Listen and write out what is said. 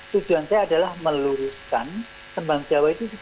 tujuan saya adalah meluruskan sembang jawa itu juga semuanya memungkinkan